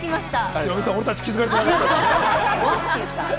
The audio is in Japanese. ヒロミさん、俺たち気付かれてないです。